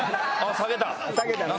下げたな。